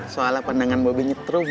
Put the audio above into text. soalnya pandangan gue benyet rum